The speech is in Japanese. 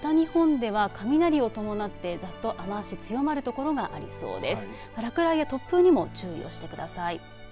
このあとも北日本では雷を伴ってざっと雨足が強まるところがありそうです。